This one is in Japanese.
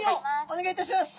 お願いいたします。